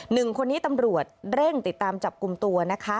หนึ่งคนนี้ตำรวจเร่งติดตามจับกลุ่มตัวนะคะ